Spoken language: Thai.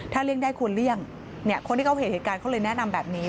เลี่ยงได้ควรเลี่ยงคนที่เขาเห็นเหตุการณ์เขาเลยแนะนำแบบนี้